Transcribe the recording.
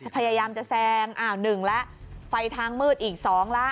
พยายามจะแซงอ้าวหนึ่งละไฟทางมืดอีกสองละ